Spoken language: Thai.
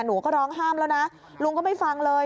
หนูก็ร้องห้ามแล้วนะลุงก็ไม่ฟังเลย